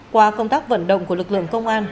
qua công tác vận động của lực lượng công an